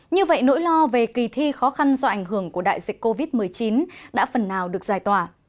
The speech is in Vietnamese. như vậy nỗi lo về kỳ thi khó khăn do ảnh hưởng của đại dịch covid một mươi chín đã phần nào được giải tỏa